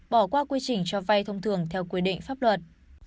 bỏ qua quy trình cho vay thông thường theo quy định pháp luật